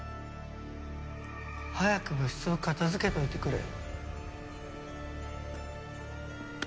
早く部室を片づけておいてくれよ。